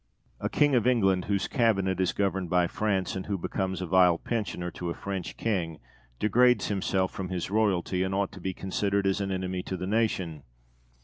De Witt. A King of England whose Cabinet is governed by France, and who becomes a vile pensioner to a French King, degrades himself from his royalty, and ought to be considered as an enemy to the nation.